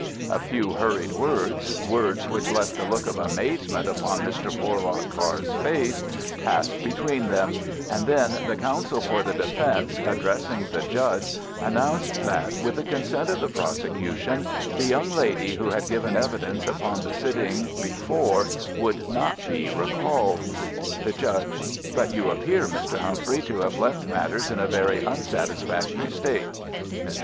A few hurried words—words which left a look of amazement upon Mr. Porlock Carr's face—passed between them, and then the counsel for the defence, addressing the judge, announced that, with the consent of the prosecution, the young lady who had given evidence upon the sitting before would not be recalled. The Judge: But you appear, Mr. Humphrey, to have left matters in a very unsatisfactory state. Mr.